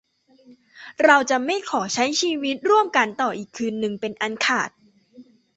เราจะไม่ขอใช้ชีวิตร่วมกันต่ออีกคืนนึงเป็นอันขาด